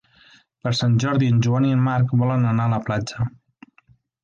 Per Sant Jordi en Joan i en Marc volen anar a la platja.